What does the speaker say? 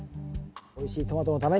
おいしいトマトのために。